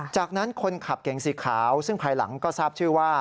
จากนั้นคนขับเก่งสีขาวซึ่งภายหลังก็ทราบชื่อว่า